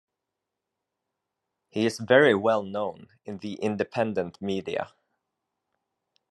He is very well known in the independent media.